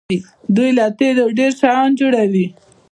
دوی له تیلو ډیر شیان جوړوي.